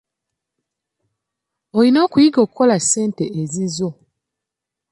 Olina okuyiga okukola ssente ezizo.